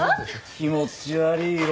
気持ち悪い色。